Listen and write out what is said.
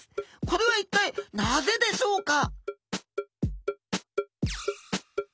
これは一体なぜでしょうか？